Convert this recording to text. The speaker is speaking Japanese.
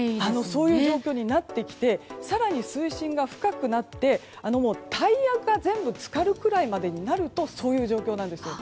そういう状況になってきて更に水深が深くなってタイヤが全部浸かるぐらいまでになるとそういう状況なんです。